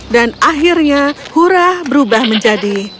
dan akhirnya hurah berubah menjadi